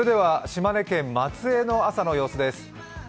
島根県松江の朝の様子です。